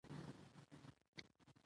لیکوال د همدې ارمان ترجمان دی.